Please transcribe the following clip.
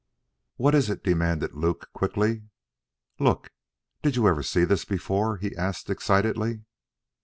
"What is it?" demanded Luke quickly. "Look. Did you ever see this before?" he asked excitedly.